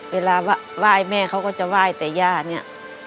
เวลาไหว้แม่เขาก็จะไหว้แต่ย่าเนี่ย